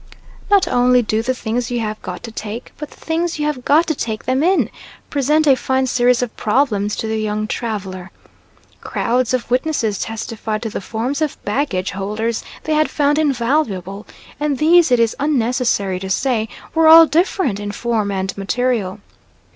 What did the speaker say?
Not only do the things you have got to take, but the things you have got to take them in, present a fine series of problems to the young traveller. Crowds of witnesses testified to the forms of baggage holders they had found invaluable, and these, it is unnecessary to say, were all different in form and material.